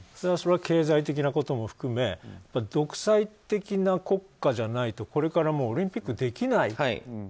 それは経済的なことも含めて独裁的な国家じゃないとこれから、オリンピックできない。